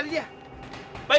baik pangeran vaksin